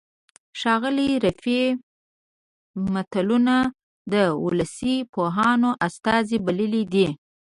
ښاغلي رفیع متلونه د ولسي پوهانو استازي بللي دي